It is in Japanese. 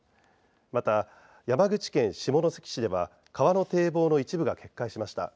また、山口県下関市では川の堤防の一部が決壊しました。